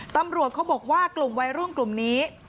ตำรวจเขาบอกว่ากลุ่มวัยรุ่นกลุ่มนี้